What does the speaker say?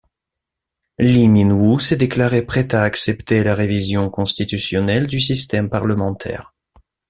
Lee Min-woo s'est déclaré prêt à accepter la révision constitutionnelle du système parlementaire.